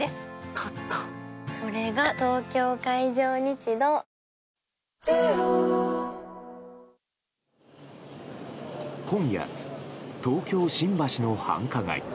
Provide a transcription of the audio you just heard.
立ったそれが東京海上日動今夜、東京・新橋の繁華街。